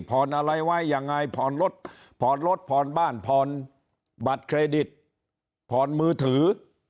อะไรไว้ยังไงผ่อนรถผ่อนรถผ่อนบ้านผ่อนบัตรเครดิตผ่อนมือถือ